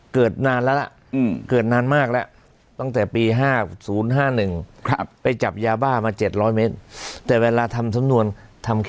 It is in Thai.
เกิดนานแล้วล่ะเกิดนานมากแล้วตั้งแต่ปี๕๐๕๑ไปจับยาบ้ามา๗๐๐เมตรแต่เวลาทำสำนวนทำแค่